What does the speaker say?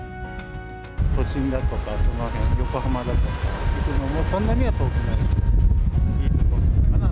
都心だとか、横浜だとか、そんなには遠くない。